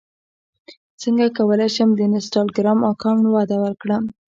څنګه کولی شم د انسټاګرام اکاونټ وده ورکړم